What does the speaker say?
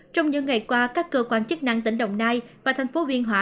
trong những ngày qua các cơ quan chức năng tỉnh đồng nai và tp biên hòa